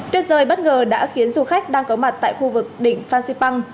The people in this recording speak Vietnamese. tuyết rơi bất ngờ đã khiến du khách đang có mặt tại khu vực đỉnh phan xipang